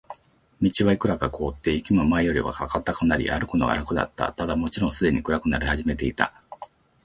道はいくらか凍って、雪も前よりは固くなり、歩くのが楽だった。ただ、もちろんすでに暗くなり始めていた。